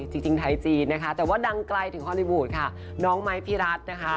จริงไทยจีนนะคะแต่ว่าดังไกลถึงฮอลลี่วูดค่ะน้องไม้พี่รัฐนะคะ